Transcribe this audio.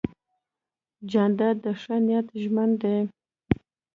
جانداد د ښه نیت ژمن دی.